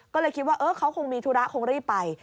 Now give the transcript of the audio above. ก็เลยคิดว่าเขาคงมีธุระคงรีบไป